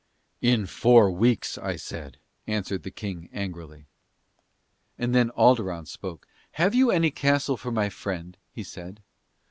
"In four weeks, I said," answered the King angrily. And then Alderon spoke. "Have you any castle for my friend?" he said.